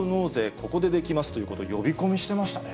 ここでできますということを呼び込みしてましたね。